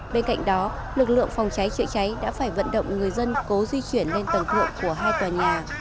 bên cạnh đó lực lượng phòng cháy chữa cháy đã phải vận động người dân cố di chuyển lên tầng thượng của hai tòa nhà